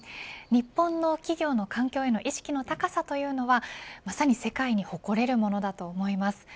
日本の企業の環境への意識の高さというのはまさに世界に誇れるものだと思います。